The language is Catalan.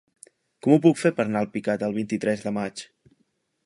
Com ho puc fer per anar a Alpicat el vint-i-tres de maig?